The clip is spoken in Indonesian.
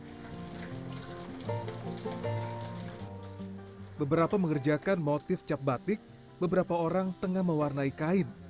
beberapa mengerjakan motif cap batik beberapa orang tengah mewarnai kain